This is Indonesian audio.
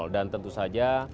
dan tentu saja